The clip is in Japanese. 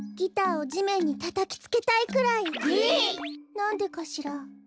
なんでかしら？